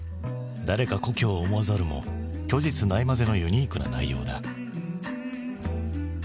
「誰か故郷を想はざる」も虚実ないまぜのユニークな内容だ。